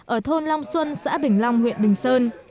ở thôn long xuân xã bình long huyện bình sơn